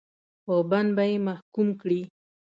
په بند به یې محکوم کړي.